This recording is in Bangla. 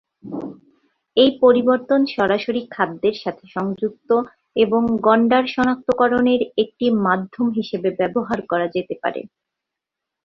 এই পরিবর্তন সরাসরি খাদ্যের সাথে সংযুক্ত এবং গণ্ডার শনাক্তকরণের একটি মাধ্যম হিসাবে ব্যবহার করা যেতে পারে।